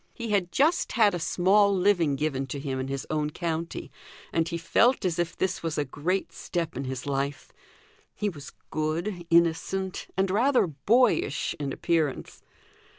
He had just had a small living given to him in his own county, and he felt as if this was a great step in his life. He was good, innocent, and rather boyish in appearance.